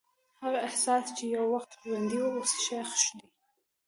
هغه احساس چې یو وخت ژوندی و، اوس ښخ دی.